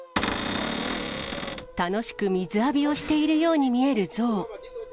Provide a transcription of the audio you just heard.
楽しく水浴びをしているように見えるゾウ。